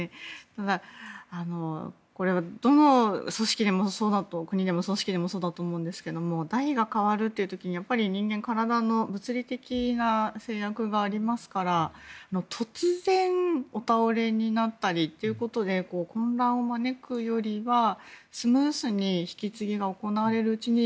ただ、これはどの国でも組織でもそうだと思いますが代が変わるという時に人間は体の物理的な制約がありますから突然お倒れになったりということで混乱を招くよりはスムーズに引き継ぎが行われるうちに